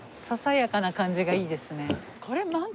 ささやかな感じがいいですね。